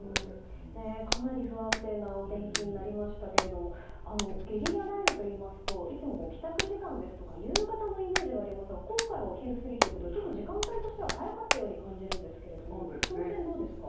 かなり不安定なお天気になりましたけれどもゲリラ雷雨といいますといつも帰宅時間ですとか夕方のイメージがありますが今回はお昼過ぎということでちょっと時間帯としては早かったように感じるんですがその点どうですか。